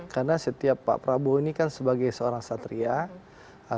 karena setiap pak prabowo ini kan sebagai seorang satria